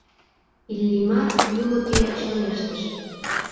Иллимар ӱлыкӧ чоҥештыш.